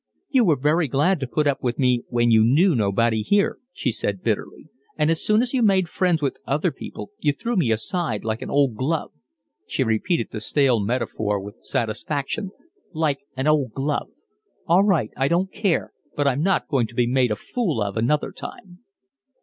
"You were very glad to put up with me when you knew nobody here," she said bitterly, "and as soon as you made friends with other people you threw me aside, like an old glove"—she repeated the stale metaphor with satisfaction—"like an old glove. All right, I don't care, but I'm not going to be made a fool of another time."